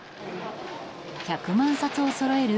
１００万冊をそろえる